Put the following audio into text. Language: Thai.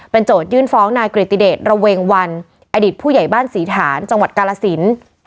โจทยื่นฟ้องนายกริติเดชระเวงวันอดีตผู้ใหญ่บ้านศรีฐานจังหวัดกาลสิน